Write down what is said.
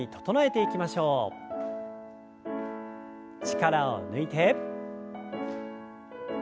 力を抜いて。